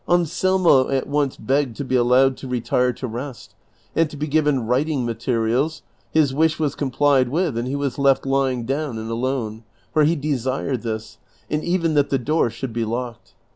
Anselmo at once begged to be allowed to retire to rest, and to be given writing materials. His wish was complied with, and he was left lying down and alone, for he desired this, and even that the door should be locked.